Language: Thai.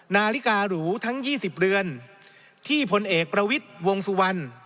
นาฬิการูทั้ง๒๐เรือนที่พลเอกประวิทย์วงสุวรรณ